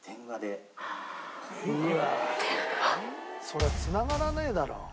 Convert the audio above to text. そりゃ繋がらねえだろ。